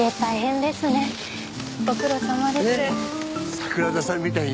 桜田さんみたいにね